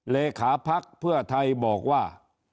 เลขาภักดิ์เพื่อไทยบอกว่า